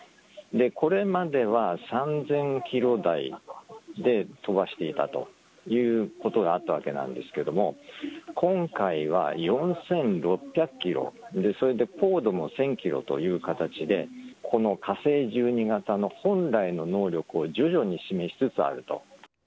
これまでは３０００キロ台で飛ばしていたということがあったわけなんですけれども、今回は４６００キロ、それで高度も１０００キロという形で、この火星１２型の本来の能力を徐々に示しつつあると。